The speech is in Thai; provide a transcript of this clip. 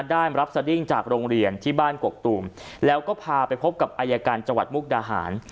ได้รับสดิ้งจากโรงเรียนที่บ้านกกตูมแล้วก็พาไปพบกับอายการจังหวัดมุกดาหาร